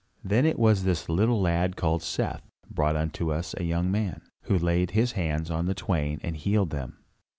Then it was that a little lad called Seth, brought unto us a young man, who laid his hands on the twain and healed them.